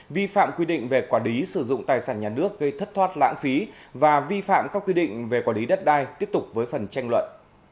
vi phạm quy định về quả đí sử dụng tài sản nhà nước gây thất thoát lãng phí và vi phạm các quy định về quả đí đất đai tiếp tục với phần tranh luận